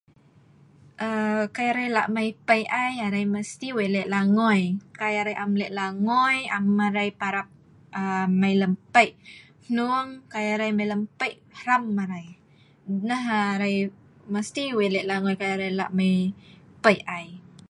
Aaa kai arai lah' mai pei' ai, arai mesti wei' leh' langoi. Kai arai am leh' langoi am arai parap aaa mai lem Pei'. Hnong kai arai mai lem pei' hram arai. Nah arai mesti wei' leh' langoi kai arai lah' mai pei' ai.